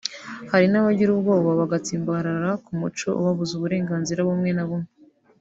Hari n’abagira ubwoba bagatsimbarara ku muco ubabuza uburenganzira bumwe na bumwe